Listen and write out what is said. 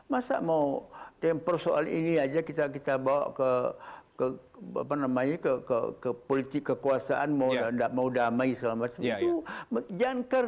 masa mau persoalan ini saja kita bawa ke politik kekuasaan mau damai dan sebagainya